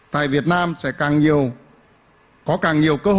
tại việt nam sẽ càng nhiều